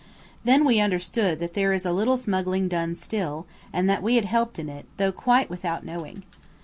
Then we understood that there is a little smuggling done still, and that we had helped in it, though quite without knowing.